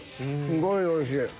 すごいおいしい！